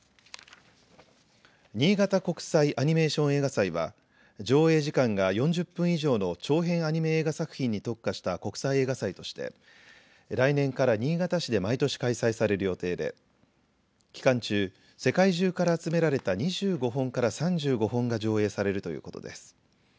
新潟国際アニメーション映画祭は上映時間が４０分以上の長編アニメ映画作品に特化した国際映画祭として、来年から新潟市で毎年開催される予定で期間中、世界中から集められた２５本から３５本が上映されるということです。